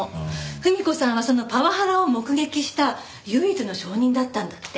文子さんはそのパワハラを目撃した唯一の証人だったんだって。